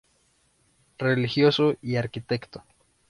Religioso y arquitecto.